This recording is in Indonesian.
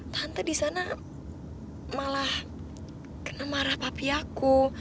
tante disana malah kena marah papi aku